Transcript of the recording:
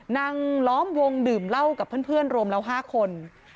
ล้อมวงดื่มเหล้ากับเพื่อนรวมแล้ว๕คน